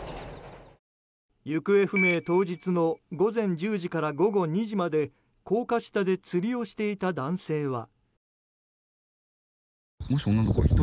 行方不明当日の午前１０時から午後２時まで高架下で釣りをしていた男性は。